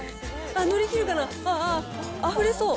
乗り切るかな、ああ、あふれそう。